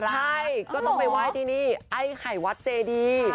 ใช่ก็ต้องไปไหว้ที่นี่ไอ้ไข่วัดเจดี